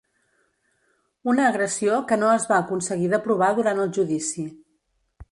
Una agressió que no es va aconseguir de provar durant el judici.